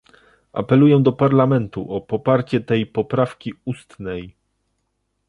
Apeluję do Parlamentu o poparcie tej poprawki ustnej